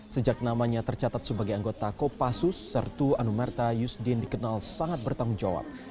sejak namanya tercatat sebagai anggota kopassus sertu anumerta yusdin dikenal sangat bertanggung jawab